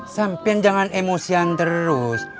sampe jangan emosian terus